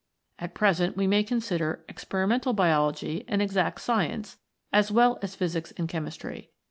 At present we may consider Ex perimental Biology an Exact Science as well as Physics and Chemistry.